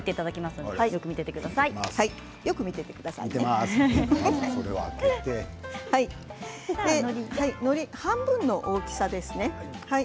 のり、半分の大きさですね。